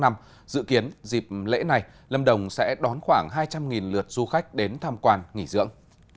dự kiến dịp lễ này lâm đồng sẽ đón khoảng hai trăm linh lượt du khách đến tham quan nghỉ dưỡng